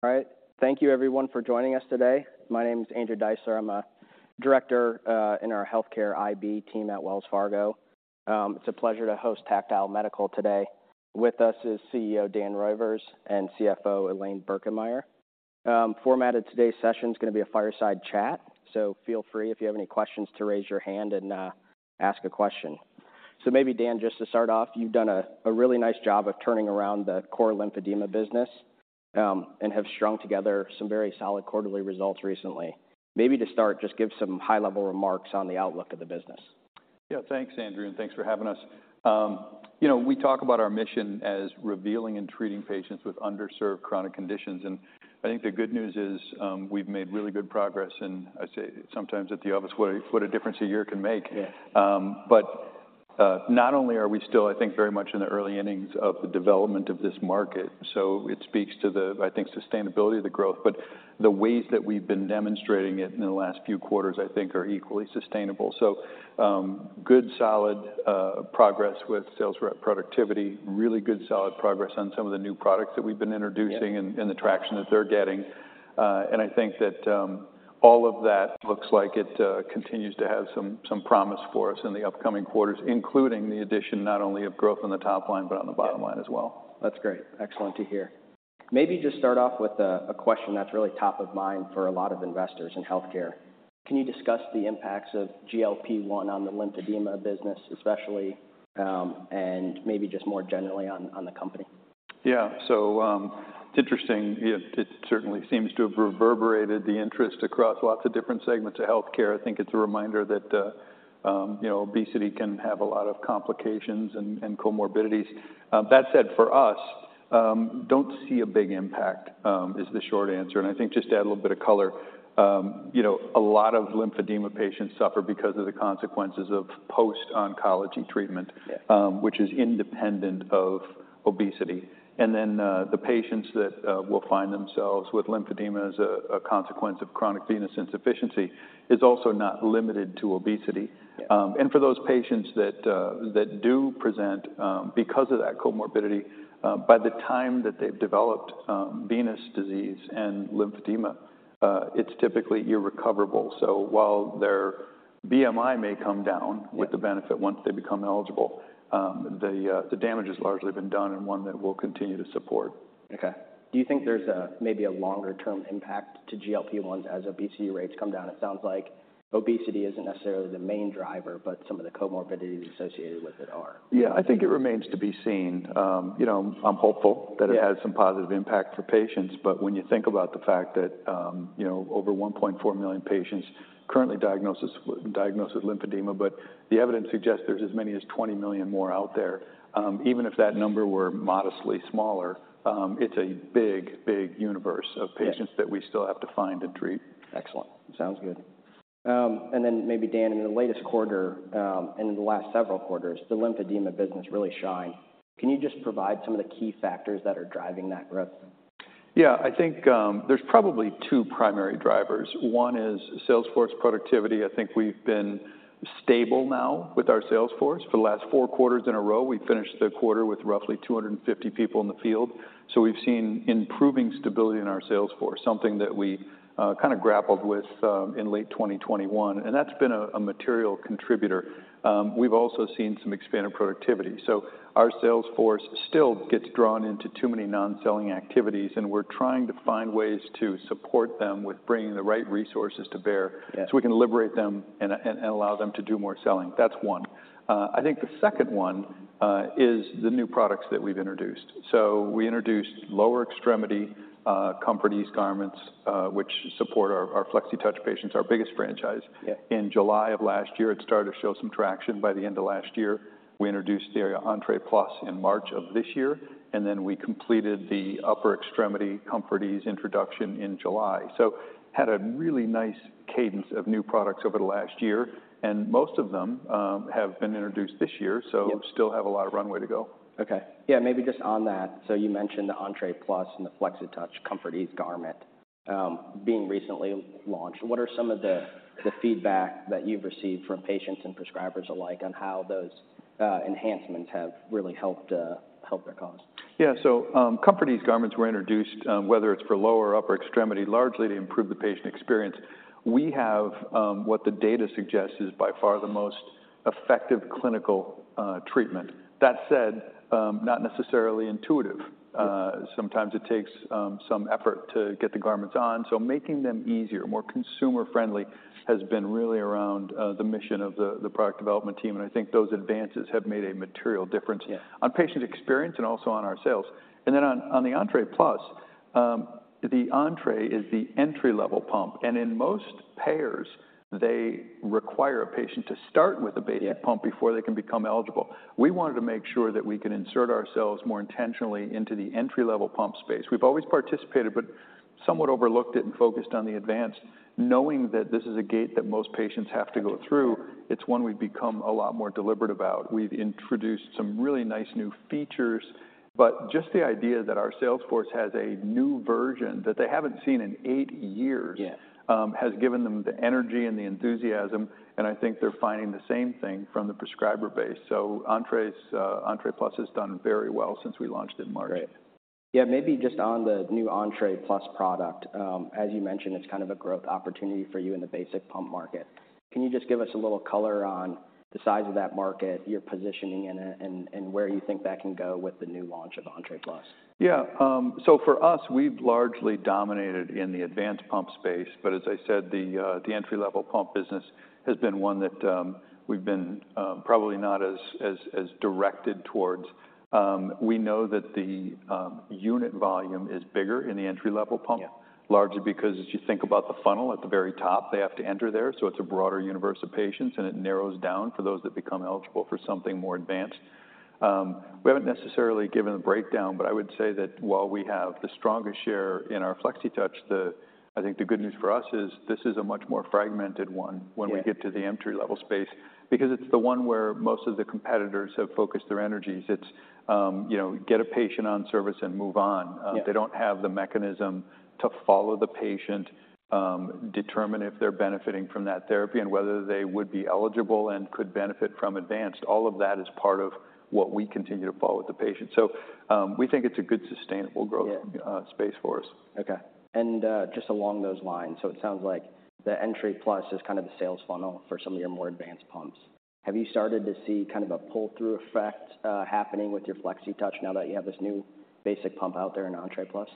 All right. Thank you everyone for joining us today. My name is Andrew Dyser. I'm a director in our healthcare IB team at Wells Fargo. It's a pleasure to host Tactile Medical today. With us is CEO, Dan Reuvers, and CFO, Elaine Birkenmeier. Format of today's session is going to be a fireside chat, so feel free, if you have any questions, to raise your hand and ask a question. So maybe, Dan, just to start off, you've done a really nice job of turning around the core lymphedema business, and have strung together some very solid quarterly results recently. Maybe to start, just give some high-level remarks on the outlook of the business. Yeah, thanks, Andrew, and thanks for having us. You know, we talk about our mission as revealing and treating patients with underserved chronic conditions, and I think the good news is, we've made really good progress. And I say sometimes at the office, "What a, what a difference a year can make. Yeah. But, not only are we still, I think, very much in the early innings of the development of this market, so it speaks to the, I think, sustainability of the growth, but the ways that we've been demonstrating it in the last few quarters, I think, are equally sustainable. So, good, solid progress with sales rep productivity. Really good, solid progress on some of the new products that we've been introducing- Yeah and the traction that they're getting. And I think that all of that looks like it continues to have some promise for us in the upcoming quarters, including the addition not only of growth on the top line, but on the bottom line as well. That's great. Excellent to hear. Maybe just start off with a question that's really top of mind for a lot of investors in healthcare. Can you discuss the impacts of GLP-1 on the lymphedema business, especially, and maybe just more generally on the company? Yeah. So, it's interesting. It certainly seems to have reverberated the interest across lots of different segments of healthcare. I think it's a reminder that, you know, obesity can have a lot of complications and comorbidities. That said, for us, don't see a big impact, is the short answer. And I think just to add a little bit of color, you know, a lot of lymphedema patients suffer because of the consequences of post-oncology treatment- Yeah... which is independent of obesity. And then, the patients that will find themselves with lymphedema as a consequence of chronic venous insufficiency is also not limited to obesity. Yeah. And for those patients that do present because of that comorbidity, by the time that they've developed venous disease and lymphedema, it's typically irrecoverable. So while their BMI may come down- Yeah -with the benefit, once they become eligible, the damage has largely been done and one that we'll continue to support. Okay. Do you think there's a, maybe a longer-term impact to GLP-1 as obesity rates come down? It sounds like obesity isn't necessarily the main driver, but some of the comorbidities associated with it are. Yeah, I think it remains to be seen. You know, I'm hopeful- Yeah -that it has some positive impact for patients. But when you think about the fact that, you know, over 1.4 million patients currently diagnosed with lymphedema, but the evidence suggests there's as many as 20 million more out there. Even if that number were modestly smaller, it's a big, big universe of patients- Yeah -that we still have to find and treat. Excellent. Sounds good. And then maybe Dan, in the latest quarter, and in the last several quarters, the lymphedema business really shined. Can you just provide some of the key factors that are driving that growth? Yeah. I think, there's probably two primary drivers. One is sales force productivity. I think we've been stable now with our sales force for the last four quarters in a row. We finished the quarter with roughly 250 people in the field. So we've seen improving stability in our sales force, something that we kind of grappled with in late 2021, and that's been a material contributor. We've also seen some expanded productivity. So our sales force still gets drawn into too many non-selling activities, and we're trying to find ways to support them with bringing the right resources to bear- Yeah -so we can liberate them and, and allow them to do more selling. That's one. I think the second one is the new products that we've introduced. So we introduced lower extremity ComfortEase garments, which support our, our Flexitouch patients, our biggest franchise. Yeah. In July of last year, it started to show some traction. By the end of last year, we introduced the Entre Plus in March of this year, and then we completed the upper extremity ComfortEase introduction in July. So had a really nice cadence of new products over the last year, and most of them have been introduced this year- Yeah So still have a lot of runway to go. Okay. Yeah, maybe just on that. So you mentioned the Entre Plus and the Flexitouch ComfortEase garment being recently launched. What are some of the feedback that you've received from patients and prescribers alike on how those enhancements have really helped their cause? Yeah. So, ComfortEase garments were introduced, whether it's for lower or upper extremity, largely to improve the patient experience. We have, what the data suggests is by far the most effective clinical, treatment. That said, not necessarily intuitive. Yeah. Sometimes it takes some effort to get the garments on, so making them easier, more consumer-friendly, has been really around the mission of the product development team, and I think those advances have made a material difference- Yeah on patient experience and also on our sales. And then on the Entre Plus, the Entre is the entry-level pump, and in most payers, they require a patient to start with a basic- Yeah -pump before they can become eligible. We wanted to make sure that we could insert ourselves more intentionally into the entry-level pump space. We've always participated, but somewhat overlooked it and focused on the advanced. Knowing that this is a gate that most patients have to go through, it's one we've become a lot more deliberate about. We've introduced some really nice new features, but just the idea that our sales force has a new version that they haven't seen in eight years- Yeah ... has given them the energy and the enthusiasm, and I think they're finding the same thing from the prescriber base. So Entre Plus has done very well since we launched in March. Great. Yeah, maybe just on the new Entre Plus product. As you mentioned, it's kind of a growth opportunity for you in the basic pump market. Can you just give us a little color on the size of that market, your positioning in it, and where you think that can go with the new launch of Entre Plus? Yeah. So for us, we've largely dominated in the advanced pump space, but as I said, the entry-level pump business has been one that we've been probably not as directed towards. We know that the unit volume is bigger in the entry-level pump- Yeah Largely because as you think about the funnel at the very top, they have to enter there, so it's a broader universe of patients, and it narrows down for those that become eligible for something more advanced. We haven't necessarily given the breakdown, but I would say that while we have the strongest share in our Flexitouch, I think the good news for us is this is a much more fragmented one- Yeah when we get to the entry-level space, because it's the one where most of the competitors have focused their energies. It's, you know, get a patient on service and move on. Yeah. They don't have the mechanism to follow the patient, determine if they're benefiting from that therapy, and whether they would be eligible and could benefit from advanced. All of that is part of what we continue to follow with the patient. So, we think it's a good, sustainable growth- Yeah Space for us. Okay. And, just along those lines, so it sounds like the Entre Plus is kind of the sales funnel for some of your more advanced pumps. Have you started to see kind of a pull-through effect, happening with your Flexitouch now that you have this new basic pump out there in Entre Plus?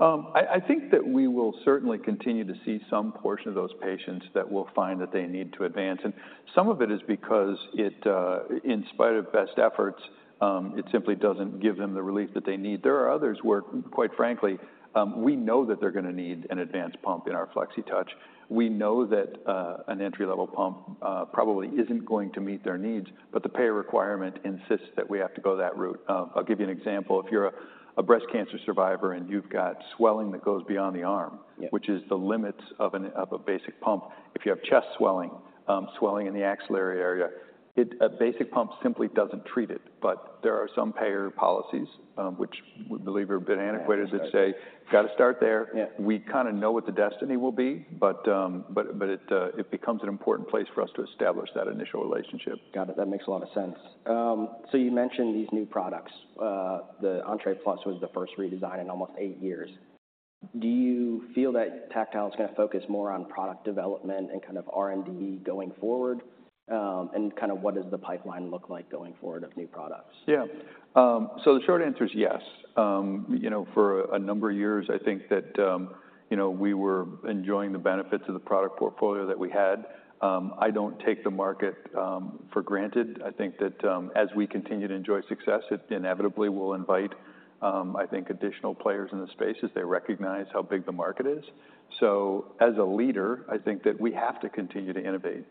I think that we will certainly continue to see some portion of those patients that will find that they need to advance, and some of it is because it, in spite of best efforts, it simply doesn't give them the relief that they need. There are others where, quite frankly, we know that they're gonna need an advanced pump in our Flexitouch. We know that, an entry-level pump, probably isn't going to meet their needs, but the payer requirement insists that we have to go that route. I'll give you an example. If you're a breast cancer survivor, and you've got swelling that goes beyond the arm- Yeah -which is the limits of a basic pump. If you have chest swelling, swelling in the axillary area, it... A basic pump simply doesn't treat it. But there are some payer policies, which we believe are a bit antiquated- Yeah. -that say, "Gotta start there. Yeah. We kind of know what the destiny will be, but it becomes an important place for us to establish that initial relationship. Got it. That makes a lot of sense. So you mentioned these new products. The Entre Plus was the first redesign in almost eight years. Do you feel that Tactile is gonna focus more on product development and kind of R&D going forward? And kind of what does the pipeline look like going forward of new products? Yeah. So the short answer is yes. You know, for a number of years, I think that, you know, we were enjoying the benefits of the product portfolio that we had. I don't take the market for granted. I think that, as we continue to enjoy success, it inevitably will invite, I think, additional players in the space as they recognize how big the market is. So as a leader, I think that we have to continue to innovate.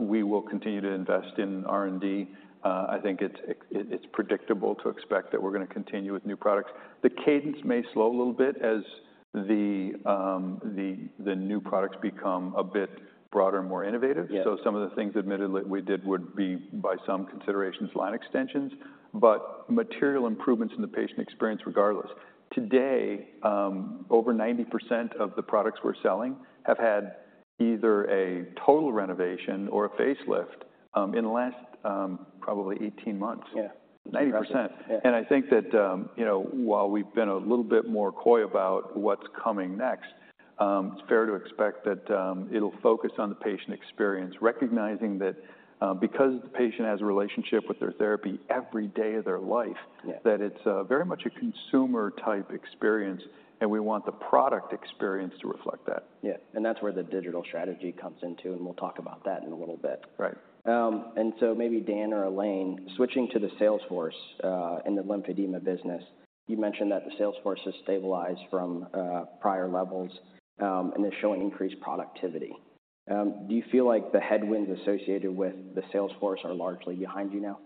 We will continue to invest in R&D. I think it's predictable to expect that we're gonna continue with new products. The cadence may slow a little bit as the new products become a bit broader and more innovative. Yeah. So some of the things, admittedly, we did would be, by some considerations, line extensions, but material improvements in the patient experience regardless. Today, over 90% of the products we're selling have had either a total renovation or a facelift, in the last, probably 18 months. Yeah. 90%. Yeah. I think that, you know, while we've been a little bit more coy about what's coming next, it's fair to expect that, it'll focus on the patient experience, recognizing that, because the patient has a relationship with their therapy every day of their life- Yeah -that it's very much a consumer-type experience, and we want the product experience to reflect that. Yeah, and that's where the digital strategy comes into, and we'll talk about that in a little bit. Right. And so maybe Dan or Elaine, switching to the sales force in the lymphedema business, you mentioned that the sales force has stabilized from prior levels and is showing increased productivity. Do you feel like the headwinds associated with the sales force are largely behind you now?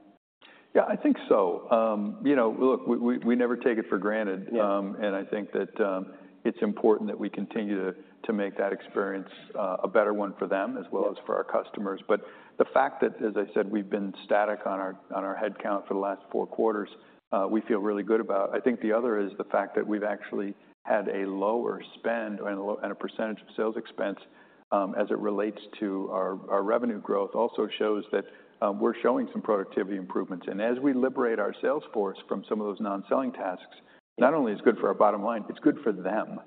Yeah, I think so. You know, look, we never take it for granted. Yeah. I think that it's important that we continue to make that experience a better one for them- Yeah as well as for our customers. But the fact that, as I said, we've been static on our headcount for the last four quarters, we feel really good about. I think the other is the fact that we've actually had a lower spend and a percentage of sales expense, as it relates to our revenue growth, also shows that, we're showing some productivity improvements. And as we liberate our sales force from some of those non-selling tasks- Yeah -not only it's good for our bottom line, it's good for them.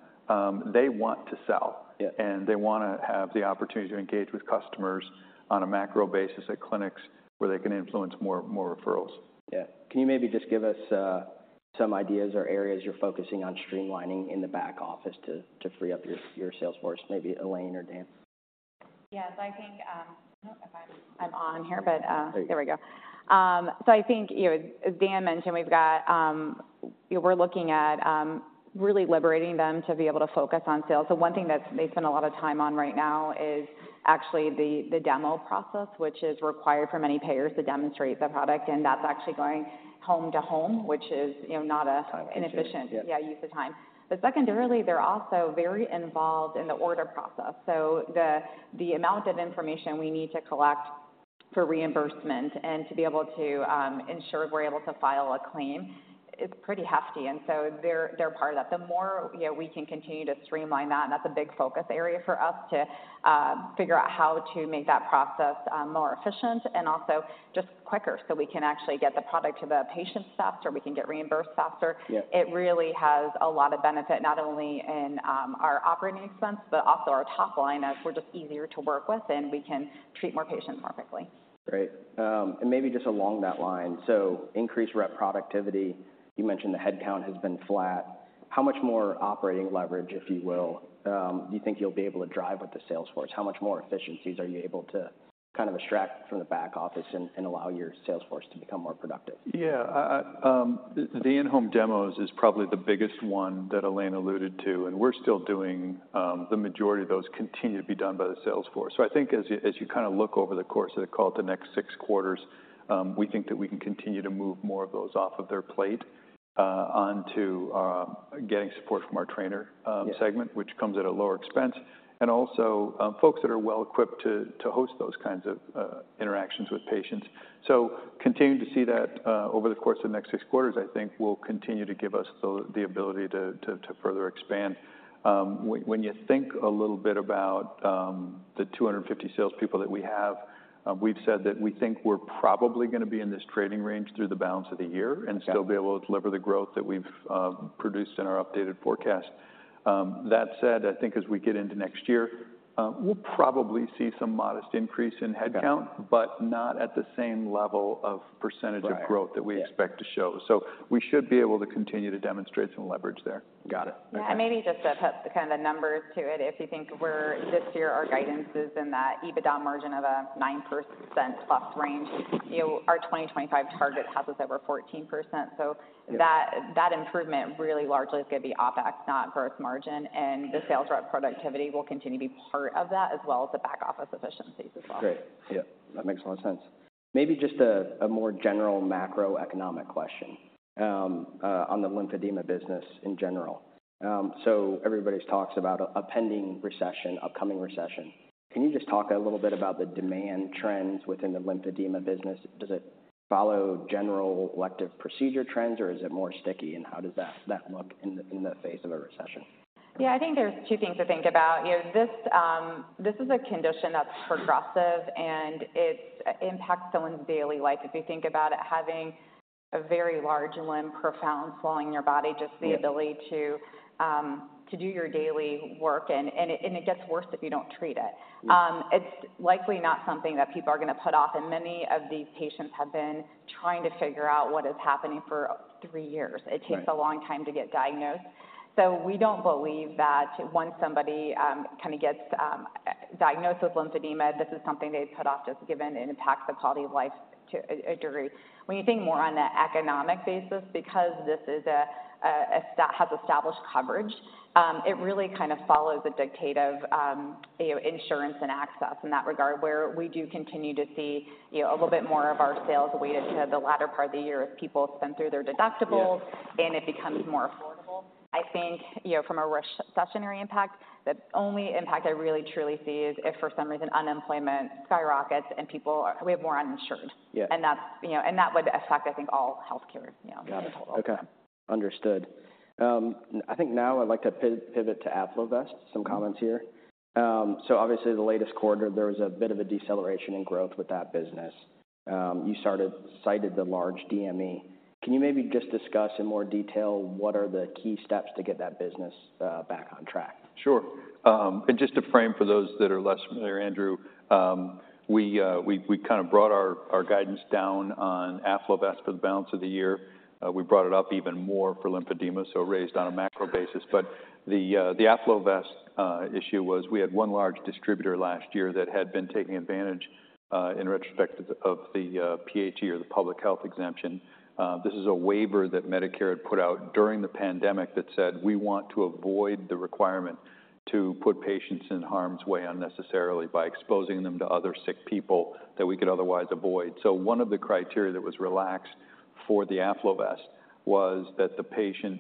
They want to sell- Yeah They wanna have the opportunity to engage with customers on a macro basis at clinics where they can influence more, more referrals. Yeah. Can you maybe just give us some ideas or areas you're focusing on streamlining in the back office to free up your sales force? Maybe Elaine or Dan. Yes, I think, so I think, you know, as Dan mentioned, we've got, we're looking at really liberating them to be able to focus on sales. So one thing that they spend a lot of time on right now is actually the demo process, which is required for many payers to demonstrate the product, and that's actually going home to home, which is, you know, not a- Time efficient -an efficient- Yeah Yeah, use of time. But secondarily, they're also very involved in the order process. So the amount of information we need to collect for reimbursement and to be able to ensure we're able to file a claim is pretty hefty, and so they're part of that. The more, you know, we can continue to streamline that, and that's a big focus area for us to figure out how to make that process more efficient and also just quicker, so we can actually get the product to the patient faster, we can get reimbursed faster. Yeah. It really has a lot of benefit, not only in our operating expense, but also our top line, as we're just easier to work with, and we can treat more patients more quickly. Great. And maybe just along that line, so increased rep productivity, you mentioned the headcount has been flat. How much more operating leverage, if you will, do you think you'll be able to drive with the sales force? How much more efficiencies are you able to kind of extract from the back office and, and allow your sales force to become more productive? Yeah, I, the in-home demos is probably the biggest one that Elaine alluded to, and we're still doing. The majority of those continue to be done by the sales force. So I think as you kind of look over the course of the call, up to the next six quarters, we think that we can continue to move more of those off of their plate, onto getting support from our trainer- Yeah segment, which comes at a lower expense, and also, folks that are well equipped to host those kinds of interactions with patients. So continuing to see that over the course of the next six quarters, I think will continue to give us the ability to further expand. When you think a little bit about the 250 salespeople that we have, we've said that we think we're probably gonna be in this trading range through the balance of the year- Okay - and still be able to deliver the growth that we've produced in our updated forecast. That said, I think as we get into next year, we'll probably see some modest increase in headcount- Okay but not at the same level of percentage of growth- Right that we expect to show. So we should be able to continue to demonstrate some leverage there..Got it. Maybe just to put kind of the numbers to it, if you think we're this year, our guidance is in that EBITDA margin of a 9%+ range. You know, our 2025 target has us over 14%. Yeah. So that improvement really largely is going to be OpEx, not gross margin, and the sales rep productivity will continue to be part of that, as well as the back-office efficiencies as well. Great. Yeah, that makes a lot of sense. Maybe just a more general macroeconomic question on the lymphedema business in general. So everybody talks about a pending recession, upcoming recession. Can you just talk a little bit about the demand trends within the lymphedema business? Does it follow general elective procedure trends, or is it more sticky, and how does that look in the face of a recession? Yeah, I think there's two things to think about. You know, this, this is a condition that's progressive, and it impacts someone's daily life. If you think about it, having a very large limb, profound swelling in your body, just the ability- Yeah to do your daily work, and it gets worse if you don't treat it. Yeah. It's likely not something that people are going to put off, and many of these patients have been trying to figure out what is happening for three years. Right. It takes a long time to get diagnosed. So we don't believe that once somebody, kind of gets, diagnosed with lymphedema, this is something they'd put off, just given it impacts their quality of life to a degree. When you think more on the economic basis, because this is a that has established coverage, it really kind of follows the dictate of, you know, insurance and access in that regard, where we do continue to see, you know, a little bit more of our sales weighted to the latter part of the year as people spend through their deductibles. Yeah - and it becomes more affordable. I think, you know, from a recessionary impact, the only impact I really truly see is if for some reason, unemployment skyrockets and people... We have more uninsured. Yeah. And that's, you know, and that would affect, I think, all healthcare, you know, in total. Got it. Okay, understood. I think now I'd like to pivot to AffloVest, some comments here. So obviously the latest quarter, there was a bit of a deceleration in growth with that business. You cited the large DME. Can you maybe just discuss in more detail, what are the key steps to get that business back on track? Sure. And just to frame for those that are less familiar, Andrew, we kind of brought our guidance down on AffloVest for the balance of the year. We brought it up even more for lymphedema, so raised on a macro basis. But the AffloVest issue was we had one large distributor last year that had been taking advantage, in retrospect of the PHE or the public health exemption. This is a waiver that Medicare had put out during the pandemic that said, "We want to avoid the requirement to put patients in harm's way unnecessarily by exposing them to other sick people that we could otherwise avoid." So one of the criteria that was relaxed for the AffloVest was that the patient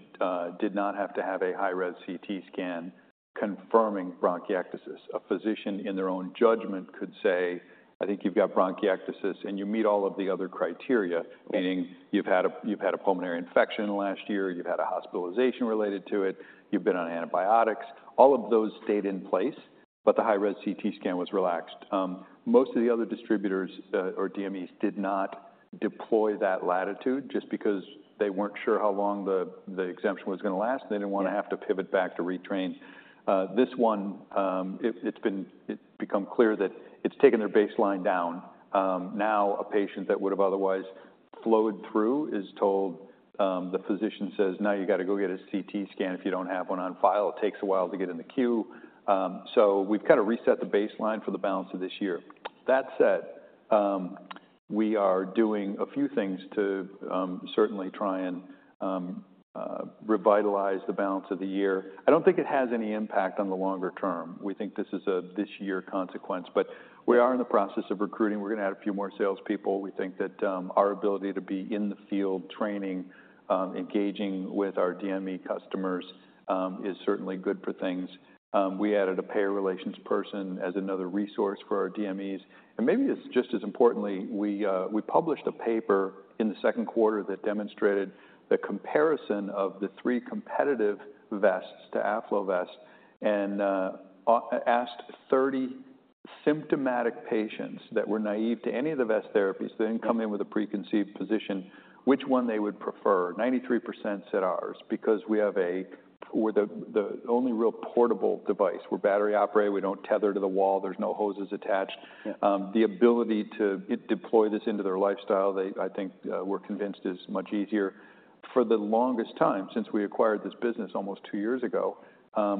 did not have to have a high-res CT scan confirming bronchiectasis. A physician, in their own judgment, could say, "I think you've got bronchiectasis, and you meet all of the other criteria, Okay. Meaning you've had a pulmonary infection last year, you've had a hospitalization related to it, you've been on antibiotics. All of those stayed in place, but the high-res CT scan was relaxed. Most of the other distributors, or DMEs, did not deploy that latitude just because they weren't sure how long the exemption was going to last. Yeah. They didn't want to have to pivot back to retrain. This one, it's become clear that it's taken their baseline down. Now, a patient that would have otherwise flowed through is told, the physician says: "Now you've got to go get a CT scan if you don't have one on file." It takes a while to get in the queue. So we've kind of reset the baseline for the balance of this year. That said, we are doing a few things to certainly try and revitalize the balance of the year. I don't think it has any impact on the longer term. We think this is a this year consequence, but we are in the process of recruiting. We're going to add a few more salespeople. We think that, our ability to be in the field training, engaging with our DME customers, is certainly good for things. We added a payer relations person as another resource for our DMEs. And maybe it's just as importantly, we, we published a paper in the second quarter that demonstrated the comparison of the three competitive vests to AffloVest, and, asked 30 symptomatic patients that were naive to any of the vest therapies, they didn't come in with a preconceived position, which one they would prefer. 93% said ours, because we have a, we're the, the only real portable device. We're battery operated, we don't tether to the wall, there's no hoses attached. Yeah. The ability to deploy this into their lifestyle, they, I think, were convinced is much easier. For the longest time, since we acquired this business almost two years ago,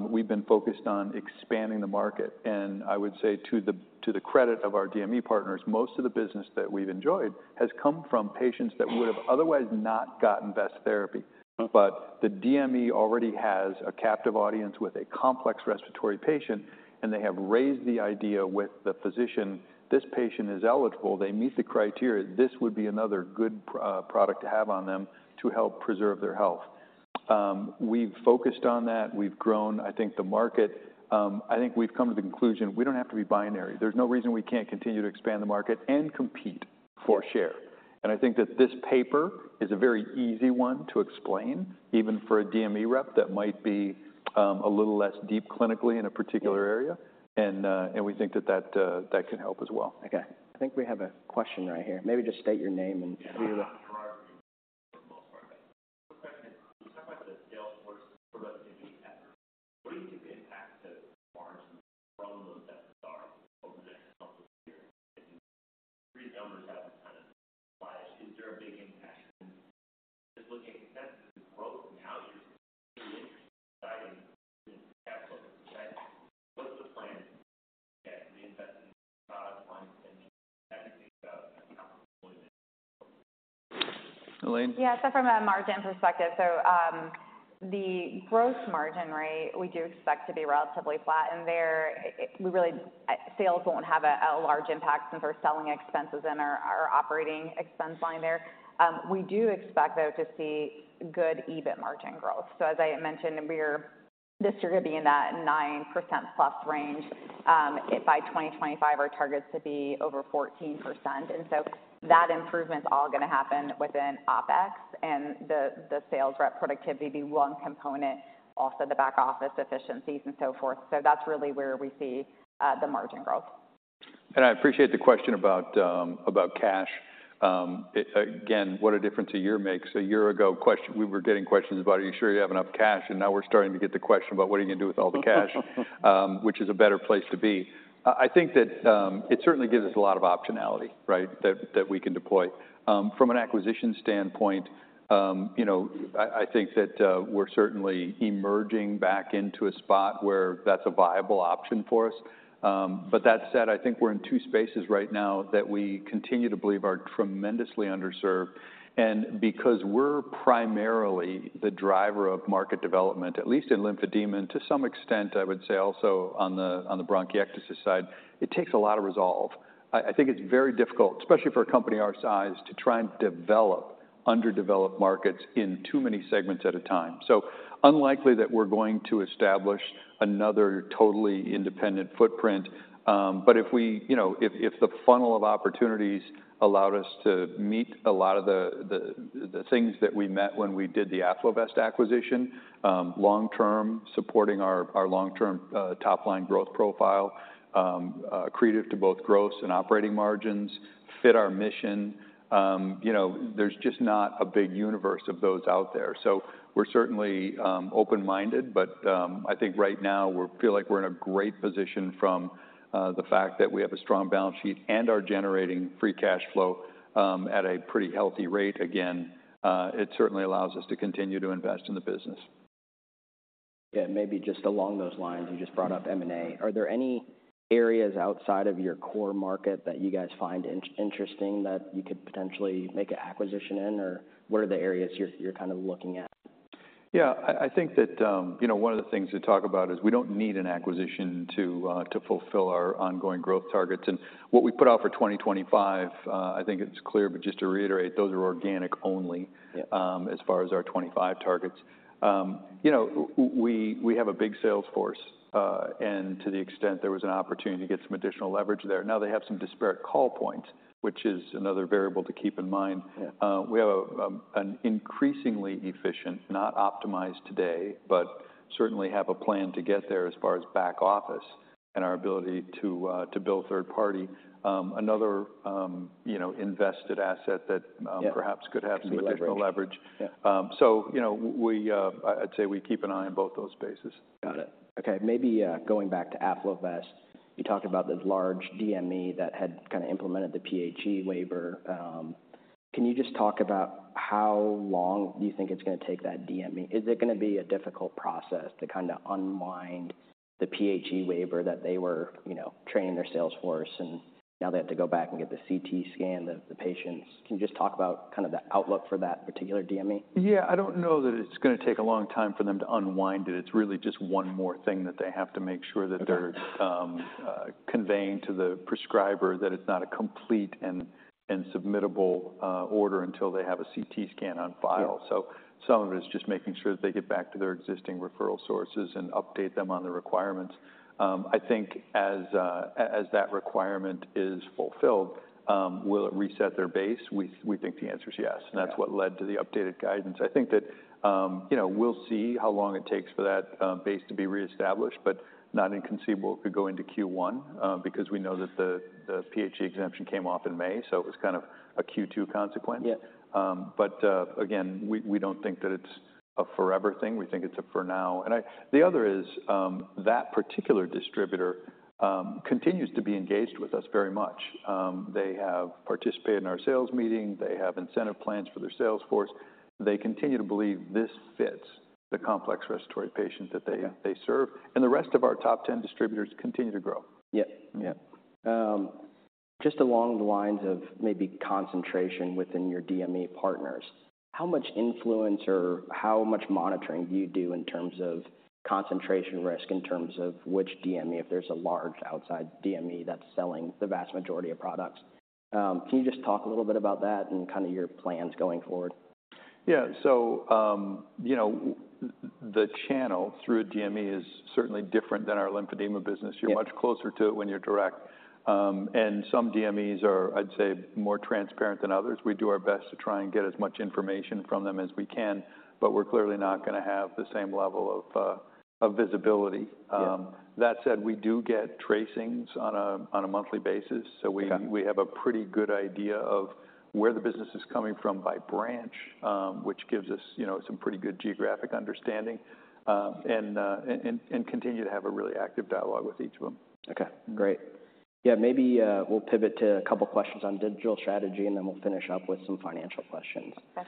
we've been focused on expanding the market. And I would say to the credit of our DME partners, most of the business that we've enjoyed has come from patients that would have otherwise not gotten best therapy. Mm-hmm. But the DME already has a captive audience with a complex respiratory patient, and they have raised the idea with the physician. This patient is eligible, they meet the criteria. This would be another good product to have on them to help preserve their health. We've focused on that. We've grown, I think, the market. I think we've come to the conclusion. We don't have to be binary. There's no reason we can't continue to expand the market and compete for share. I think that this paper is a very easy one to explain, even for a DME rep that might be a little less deep clinically in a particular area. Yeah. And we think that can help as well. Okay, I think we have a question right here. Maybe just state your name and- Yeah. You talk about the sales force productivity effort. What do you think the impact to margins from those efforts are over the next couple of years? three numbers out kind of flash. Is there a big impact? Just looking at growth and how you're deciding capital. What's the plan to get reinvested in product line? Elaine? Yeah, from a margin perspective, the gross margin rate we do expect to be relatively flat, and sales won't have a large impact since our selling expenses and our operating expense line there. We do expect, though, to see good EBIT margin growth. So as I had mentioned, we're distributing that 9%+ range, if by 2025, our targets to be over 14%. And so that improvement is all going to happen within OpEx and the sales rep productivity be one component, also the back office efficiencies and so forth. So that's really where we see the margin growth. I appreciate the question about, about cash. Again, what a difference a year makes. A year ago, we were getting questions about: Are you sure you have enough cash? And now we're starting to get the question about: What are you going to do with all the cash? Which is a better place to be? I, I think that, it certainly gives us a lot of optionality, right, that, that we can deploy. From an acquisition standpoint, you know, I, I think that, we're certainly emerging back into a spot where that's a viable option for us. But that said, I think we're in two spaces right now that we continue to believe are tremendously underserved. Because we're primarily the driver of market development, at least in lymphedema, to some extent, I would say also on the bronchiectasis side, it takes a lot of resolve. I think it's very difficult, especially for a company our size, to try and develop underdeveloped markets in too many segments at a time. So unlikely that we're going to establish another totally independent footprint, but if you know, if the funnel of opportunities allowed us to meet a lot of the things that we met when we did the AffloVest acquisition, long-term, supporting our long-term top-line growth profile, accretive to both gross and operating margins, fit our mission, you know, there's just not a big universe of those out there. So we're certainly open-minded, but I think right now we feel like we're in a great position from the fact that we have a strong balance sheet and are generating free cash flow at a pretty healthy rate. Again, it certainly allows us to continue to invest in the business. Yeah, maybe just along those lines, you just brought up M&A. Are there any areas outside of your core market that you guys find in- interesting, that you could potentially make an acquisition in, or what are the areas you're, you're kind of looking at? Yeah, I think that, you know, one of the things to talk about is we don't need an acquisition to fulfill our ongoing growth targets. And what we put out for 2025, I think it's clear, but just to reiterate, those are organic only- Yeah... as far as our 25 targets. You know, we have a big sales force, and to the extent there was an opportunity to get some additional leverage there. Now they have some disparate call points, which is another variable to keep in mind. Yeah. We have an increasingly efficient, not optimized today, but certainly have a plan to get there as far as back office and our ability to build third party, another, you know, invested asset that, Yeah... perhaps could have some additional leverage. Yeah. So you know, I'd say we keep an eye on both those spaces. Got it. Okay, maybe, going back to AffloVest, you talked about the large DME that had kind of implemented the PHE waiver. Can you just talk about how long you think it's going to take that DME? Is it going to be a difficult process to kind of unwind the PHE waiver that they were, you know, training their sales force, and now they have to go back and get the CT scan of the patients. Can you just talk about kind of the outlook for that particular DME? Yeah, I don't know that it's going to take a long time for them to unwind it. It's really just one more thing that they have to make sure that- Okay They're conveying to the prescriber that it's not a complete and submittable order until they have a CT Scan on file. Yeah. So some of it is just making sure that they get back to their existing referral sources and update them on the requirements. I think as, as that requirement is fulfilled, will it reset their base? We, we think the answer is yes. Yeah. That's what led to the updated guidance. I think that, you know, we'll see how long it takes for that base to be reestablished, but not inconceivable it could go into Q1, because we know that the PHE exemption came off in May, so it was kind of a Q2 consequence. Yeah. But again, we don't think that it's a forever thing. We think it's a for now. And the other is that particular distributor continues to be engaged with us very much. They have participated in our sales meeting. They have incentive plans for their sales force. They continue to believe this fits the complex respiratory patient that they- Yeah they serve, and the rest of our top 10 distributors continue to grow. Yeah. Yeah. Just along the lines of maybe concentration within your DME partners, how much influence or how much monitoring do you do in terms of concentration risk, in terms of which DME, if there's a large outside DME that's selling the vast majority of products? Can you just talk a little bit about that and kind of your plans going forward? Yeah. So, you know, the channel through a DME is certainly different than our lymphedema business. Yeah. You're much closer to it when you're direct. Some DMEs are, I'd say, more transparent than others. We do our best to try and get as much information from them as we can, but we're clearly not going to have the same level of visibility. Yeah. That said, we do get tracings on a monthly basis. Okay. So we have a pretty good idea of where the business is coming from by branch, which gives us, you know, some pretty good geographic understanding, and continue to have a really active dialogue with each of them Okay, great. Yeah. Maybe we'll pivot to a couple of questions on digital strategy, and then we'll finish up with some financial questions. Okay.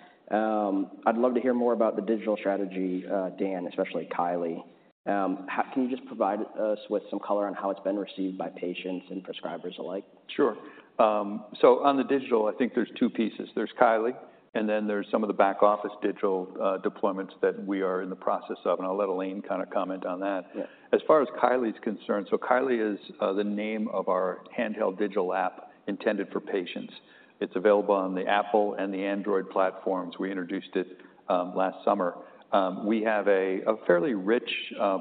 I'd love to hear more about the digital strategy, Dan, especially Kylee. Can you just provide us with some color on how it's been received by patients and prescribers alike? Sure. So on the digital, I think there's two pieces. There's Kylee, and then there's some of the back-office digital, deployments that we are in the process of, and I'll let Elaine kind of comment on that. Yeah. As far as Kylee is concerned, so Kylee is the name of our handheld digital app intended for patients. It's available on the Apple and the Android platforms. We introduced it last summer. We have a fairly rich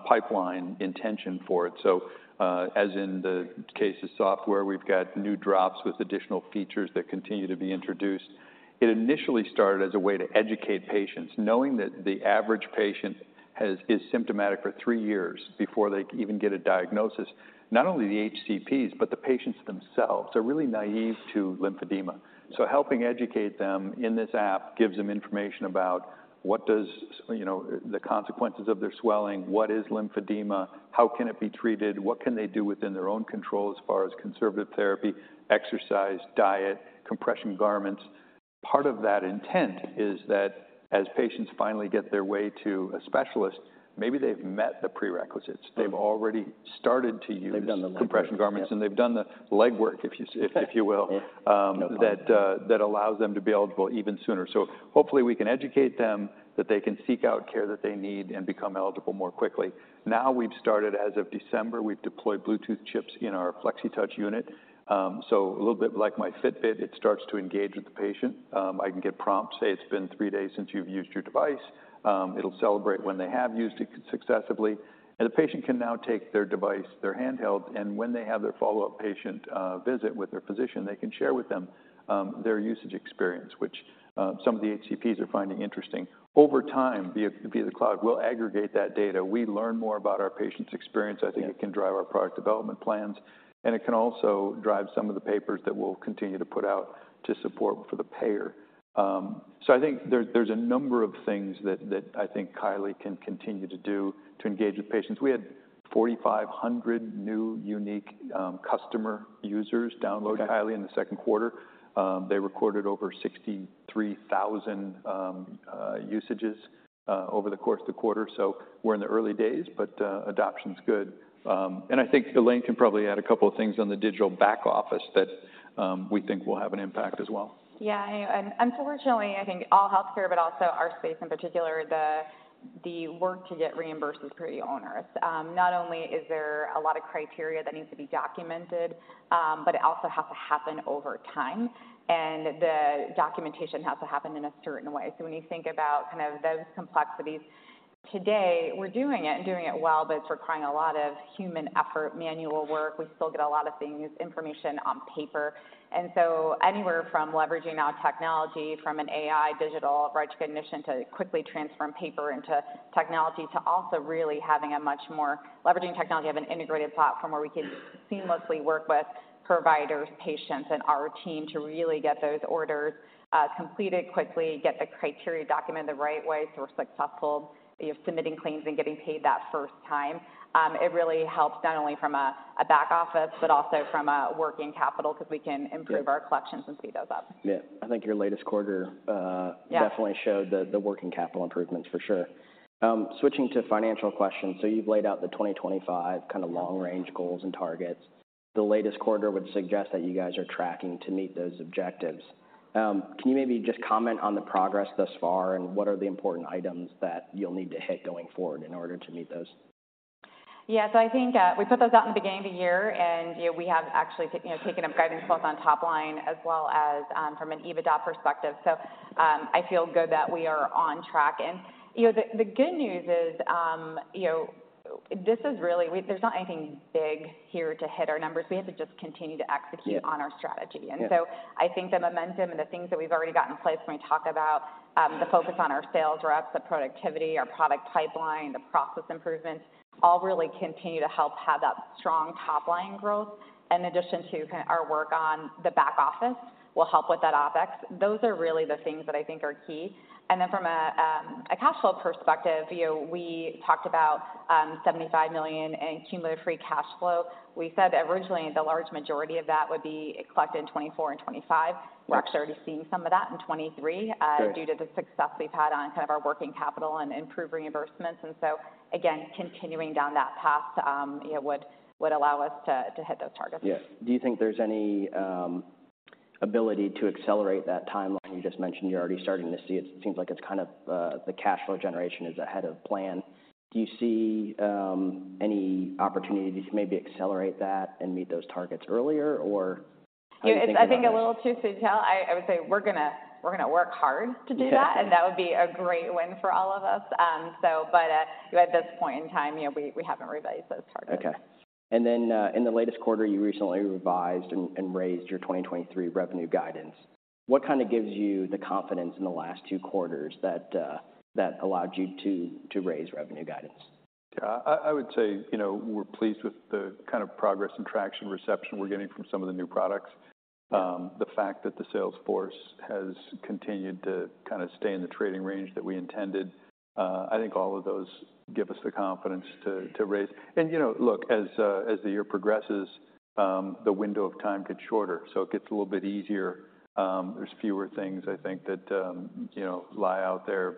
pipeline intention for it. So, as in the case of software, we've got new drops with additional features that continue to be introduced. It initially started as a way to educate patients, knowing that the average patient is symptomatic for three years before they can even get a diagnosis. Not only the HCPs, but the patients themselves, are really naive to lymphedema. So helping educate them in this app gives them information about what does... You know, the consequences of their swelling, what is lymphedema, how can it be treated, what can they do within their own control as far as conservative therapy, exercise, diet, compression garments? Part of that intent is that as patients finally get their way to a specialist, maybe they've met the prerequisites. Okay. They've already started to use- They've done the legwork. - compression garments, and they've done the legwork, if you will- Yeah, no problem. that allows them to be eligible even sooner. So hopefully, we can educate them that they can seek out care that they need and become eligible more quickly. Now, we've started, as of December, we've deployed Bluetooth chips in our Flexitouch unit. So a little bit like my Fitbit, it starts to engage with the patient. I can get prompts. Say, "It's been three days since you've used your device." It'll celebrate when they have used it successively. And the patient can now take their device, their handheld, and when they have their follow-up patient visit with their physician, they can share with them their usage experience, which some of the HCPs are finding interesting. Over time, via the cloud, we'll aggregate that data. We learn more about our patient's experience. Yeah. I think it can drive our product development plans, and it can also drive some of the papers that we'll continue to put out to support for the payer. So I think there's a number of things that I think Kylee can continue to do to engage with patients. We had 4,500 new unique customer users- Okay - download Kylee in the second quarter. They recorded over 63,000 usages over the course of the quarter. So we're in the early days, but adoption's good. And I think Elaine can probably add a couple of things on the digital back office that we think will have an impact as well. Yeah, and unfortunately, I think all healthcare, but also our space in particular, the work to get reimbursed is pretty onerous. Not only is there a lot of criteria that needs to be documented, but it also has to happen over time, and the documentation has to happen in a certain way. So when you think about kind of those complexities, today, we're doing it and doing it well, but it's requiring a lot of human effort, manual work. We still get a lot of things, information on paper. And so anywhere from leveraging our technology, from an AI, digital, recognition to quickly transform paper into technology, to also really having a much more... Leveraging technology, have an integrated platform where we can seamlessly work with providers, patients, and our team to really get those orders completed quickly, get the criteria documented the right way, so we're successful in submitting claims and getting paid that first time. It really helps not only from a back office, but also from a working capital, because we can- Yeah - improve our collections and speed those up. Yeah. I think your latest quarter, Yeah Definitely showed the working capital improvements, for sure. Switching to financial questions. So you've laid out the 2025 kind of long-range goals and targets. The latest quarter would suggest that you guys are tracking to meet those objectives. Can you maybe just comment on the progress thus far, and what are the important items that you'll need to hit going forward in order to meet those? Yeah, so I think, we put those out in the beginning of the year, and, you know, we have actually taken up guidance both on top line as well as, from an EBITDA perspective. So, I feel good that we are on track. And, you know, the good news is, you know, this is really, there's not anything big here to hit our numbers. We have to just continue to execute- Yeah on our strategy. Yeah. And so I think the momentum and the things that we've already got in place when we talk about the focus on our sales reps, the productivity, our product pipeline, the process improvements, all really continue to help have that strong top-line growth. In addition to our work on the back office will help with that OpEx. Those are really the things that I think are key. And then from a cash flow perspective, you know, we talked about $75 million in cumulative free cash flow. We said originally, the large majority of that would be collected in 2024 and 2025. Right. We're actually already seeing some of that in 2023- Good... due to the success we've had on kind of our working capital and improved reimbursements. So again, continuing down that path, you know, would allow us to hit those targets. Yeah. Do you think there's any ability to accelerate that timeline? You just mentioned you're already starting to see it. It seems like it's kind of the cash flow generation is ahead of plan. Do you see any opportunity to maybe accelerate that and meet those targets earlier, or how are you thinking about it? It's, I think, a little too soon to tell. I would say we're gonna work hard to do that. And that would be a great win for all of us. At this point in time, you know, we haven't revised those targets. Okay. And then, in the latest quarter, you recently revised and, and raised your 2023 revenue guidance. What kind of gives you the confidence in the last two quarters that, that allowed you to, to raise revenue guidance? I would say, you know, we're pleased with the kind of progress and traction reception we're getting from some of the new products. The fact that the sales force has continued to kind of stay in the trading range that we intended, I think all of those give us the confidence to raise. And, you know, look, as the year progresses, the window of time gets shorter, so it gets a little bit easier. There's fewer things, I think, that, you know, lie out there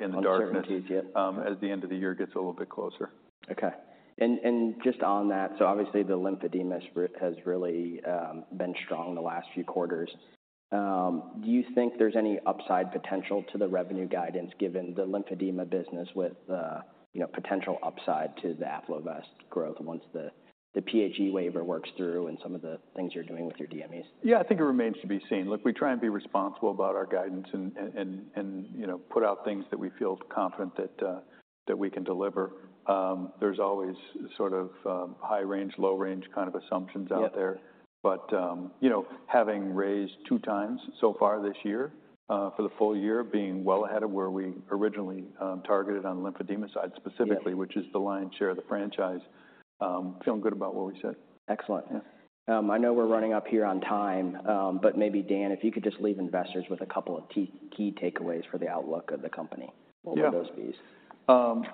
in the darkness- Uncertainty, yeah... as the end of the year gets a little bit closer. Okay. And just on that, so obviously the lymphedema has really been strong in the last few quarters. Do you think there's any upside potential to the revenue guidance, given the lymphedema business with the, you know, potential upside to the AffloVest growth once the PHE waiver works through and some of the things you're doing with your DMEs? Yeah, I think it remains to be seen. Look, we try and be responsible about our guidance and you know, put out things that we feel confident that that we can deliver. There's always sort of high range, low range kind of assumptions out there. Yeah. But, you know, having raised two times so far this year, for the full year, being well ahead of where we originally targeted on the lymphedema side specifically- Yeah... which is the lion's share of the franchise, feeling good about what we said. Excellent. Yeah. I know we're running up here on time, but maybe, Dan, if you could just leave investors with a couple of key, key takeaways for the outlook of the company. Yeah. What would those be?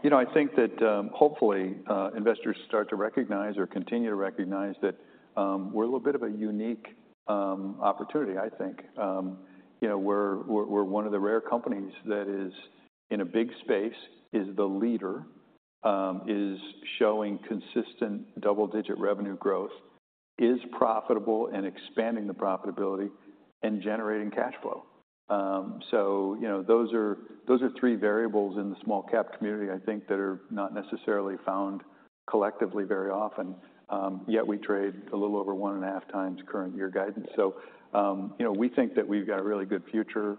You know, I think that, hopefully, investors start to recognize or continue to recognize that, we're a little bit of a unique opportunity, I think. You know, we're one of the rare companies that is in a big space, is the leader, is showing consistent double-digit revenue growth, is profitable and expanding the profitability, and generating cash flow. So you know, those are three variables in the small cap community, I think, that are not necessarily found collectively very often. Yet we trade a little over 1.5 times current year guidance. So, you know, we think that we've got a really good future.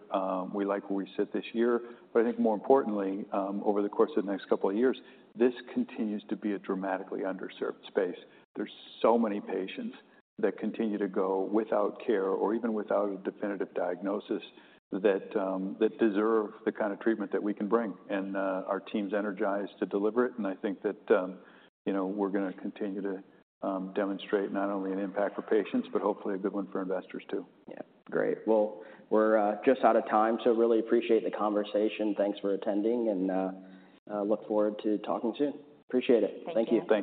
We like where we sit this year, but I think more importantly, over the course of the next couple of years, this continues to be a dramatically underserved space. There's so many patients that continue to go without care or even without a definitive diagnosis, that deserve the kind of treatment that we can bring. And, our team's energized to deliver it, and I think that, you know, we're gonna continue to demonstrate not only an impact for patients, but hopefully a good one for investors, too. Yeah. Great. Well, we're just out of time, so really appreciate the conversation. Thanks for attending, and look forward to talking soon. Appreciate it. Thank you. Thanks.